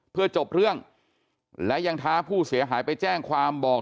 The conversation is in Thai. เพื่อจบเรื่องและยังท้าผู้เสียหายไปแจ้งความบอก